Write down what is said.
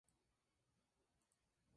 Tiene forma de cilindro.